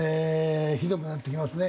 ひどくなってきますね。